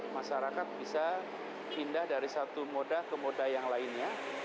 masyarakat bisa pindah dari satu moda ke moda yang lainnya